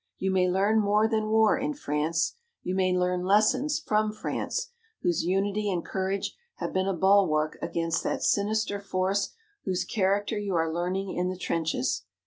You may learn more than war in France. You may learn lessons from France, whose unity and courage have been a bulwark against that sinister force whose character you are learning in the trenches.